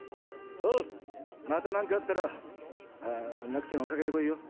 おうまたなんかあったらあなくてもかけてこいよ。